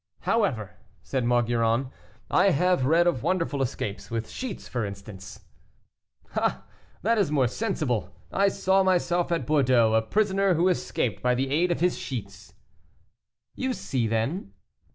"However," said Maugiron, "I have read of wonderful escapes; with sheets, for instance." "Ah! that is more sensible. I saw myself, at Bordeaux, a prisoner who escaped by the aid of his sheets." "You see, then?"